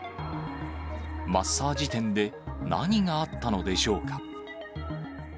マッサージ店で何があったのでしょうか。